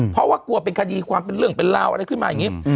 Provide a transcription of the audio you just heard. เพราะว่ากลัวเป็นคดีความเป็นเรื่องเป็นราวอะไรขึ้นมาอย่างนี้